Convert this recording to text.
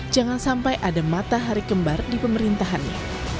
jangan sampai ada matahari kembar di pemerintahannya